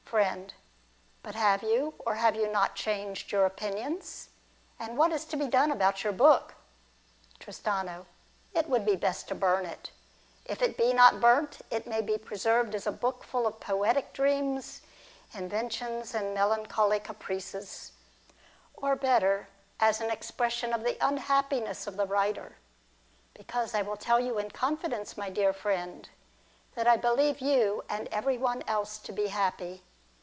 Friend. But have you, or have you not, changed your opinions ? And what is to be done about your book ? Tristano. It would be best to burn it. If it be not burnt, it may be preserved as a book full of poetic dreams, inventions, and melancholy caprices ; or better, as an expression of the unhappiness of the writer. Because, I will tell you in confidence, my dear friend, that I believe you and every one else to be happy.